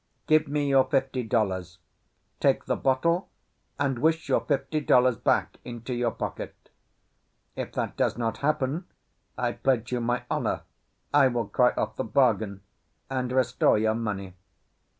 "Give me your fifty dollars, take the bottle, and wish your fifty dollars back into your pocket. If that does not happen, I pledge you my honour I will cry off the bargain and restore your money."